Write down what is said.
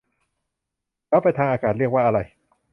แล้วไปทางอากาศเรียกว่าอะไร